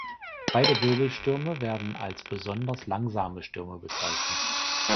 Beide Wirbelstürme werden als besonders langsame Stürme bezeichnet.